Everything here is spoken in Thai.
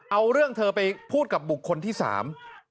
เอาเรื่องเธอไปพูดกับบุคคลที่สาม